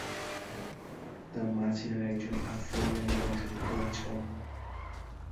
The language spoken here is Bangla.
তার মা ছিলেন একজন আফ্রো ইরানি বংশোদ্ভূত রাজকন্যা।